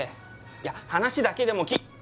いや話だけでも聞。